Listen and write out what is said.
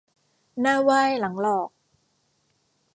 หน้าไหว้หลังหลอก